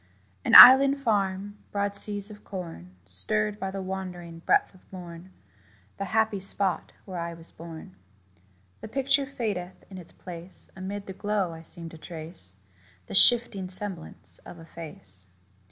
An island farm broad seas of corn Stirred by the wandering breath of morn The happy spot where I was born. The picture fadeth in its place: Amid the glow I seem to trace The shifting semblance of a face.